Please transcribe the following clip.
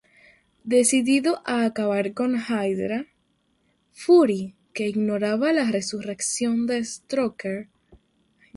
Decidido a acabar con Hydra, Fury que ignoraba la resurrección de Strucker.